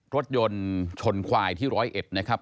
รถยนต์ชนควายที่๑๐๑นะครับ